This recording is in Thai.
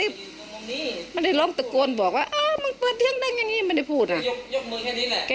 จนใดเจ้าของร้านเบียร์ยิงใส่หลายนัดเลยค่ะ